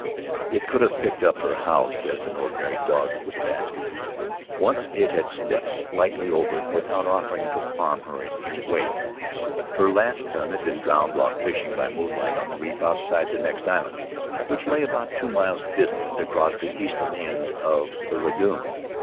It could have picked up her house as an ordinary dog would a basket. Once it had stepped lightly over it without offering to harm her in any way. Her last son had been drowned while fishing by moonlight on the reef outside the next island, which lay about two miles distant across the eastern end of In the Cloud of Islands the lagoon.